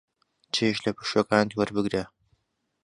چێژ لە پشووەکانت وەربگرە.